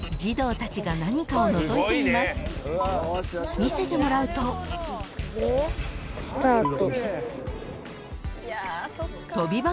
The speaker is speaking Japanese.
［見せてもらうと］スタート。